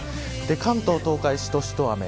関東、東海がしとしと雨。